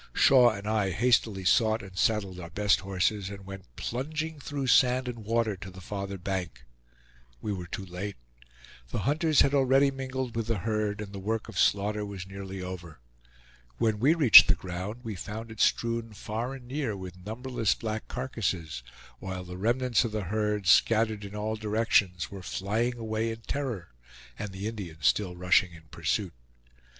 Shaw and I hastily sought and saddled our best horses, and went plunging through sand and water to the farther bank. We were too late. The hunters had already mingled with the herd, and the work of slaughter was nearly over. When we reached the ground we found it strewn far and near with numberless black carcasses, while the remnants of the herd, scattered in all directions, were flying away in terror, and the Indians still rushing in pursuit.